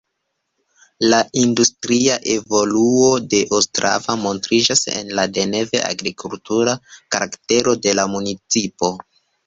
La industria evoluo de Ostrava montriĝis en la devene agrikultura karaktero de la municipo.